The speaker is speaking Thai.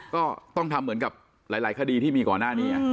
ก็ต้องทำเหมือนกับหลายคดีที่มีก่อนหน้านี้